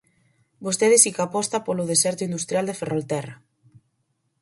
Vostede si que aposta polo deserto industrial de Ferrolterra.